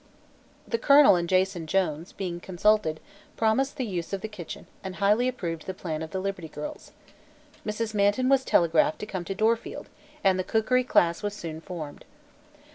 The colonel and Jason Jones, being consulted, promised the use of the kitchen and highly approved the plan of the Liberty Girls. Mrs. Manton was telegraphed to come to Dorfield and the cookery class was soon formed.